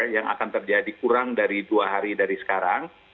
yang akan terjadi kurang dari dua hari dari sekarang